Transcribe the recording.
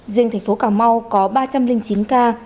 riêng thành phố cà mau có ba trăm linh chín ca